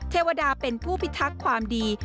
เทวดาเป็นผู้พิทักษ์ความดี